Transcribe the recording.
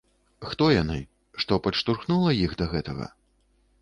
Хто яны, што падштурхнула іх да гэтага?